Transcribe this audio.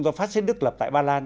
do phát sinh đức lập tại ba lan